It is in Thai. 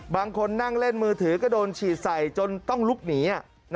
บางคนนั่งเล่นมือถือก็โดนฉีดใส่จนต้องลุกหนี